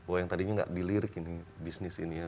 oh yang tadinya gak dilirik ini bisnis ini ya